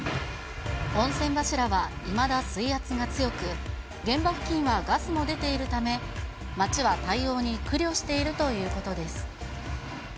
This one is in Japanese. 温泉柱はいまだ水圧が強く、現場付近はガスも出ているため、町は対応に苦慮しているということです。